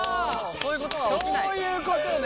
そういうことね。